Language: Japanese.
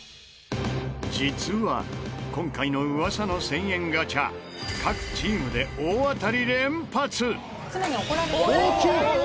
実は今回の噂の１０００円ガチャ各チームで大当たり連発！